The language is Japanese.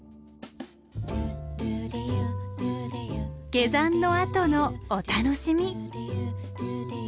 下山のあとのお楽しみ。